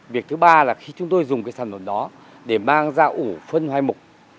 việc thứ ba là khi chúng tôi dùng cái sản phẩm đó để mang ra ủ phân hai mục